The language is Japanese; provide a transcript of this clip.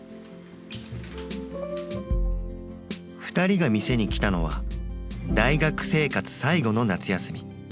２人が店に来たのは大学生活最後の夏休み。